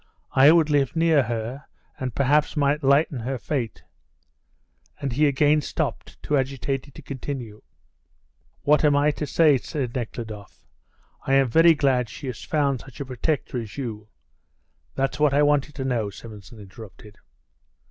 I would live near her, and perhaps might lighten her fate " and he again stopped, too agitated to continue. "What am I to say?" said Nekhludoff. "I am very glad she has found such a protector as you " "That's what I wanted to know," Simonson interrupted.